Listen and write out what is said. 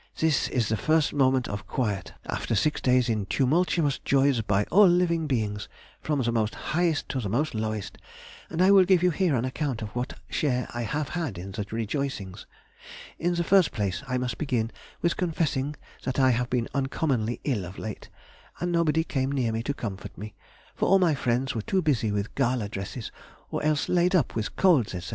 This is the first moment of quiet after six days in tumultuous joys by all living beings, from the most highest to the most lowest, and I will give you here an account of what share I have had in the rejoicings. In the first place, I must begin with confessing that I have been uncommonly ill of late, and nobody came near me to comfort me; for all my friends were too busy with gala dresses, or else laid up with colds, &c.